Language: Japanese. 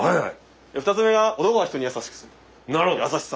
２つ目が男は人に優しくする優しさ。